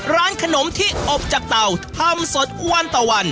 ร้านขนมที่อบจากเตาทำสดวันต่อวัน